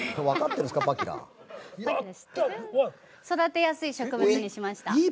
育てやすい植物にしました。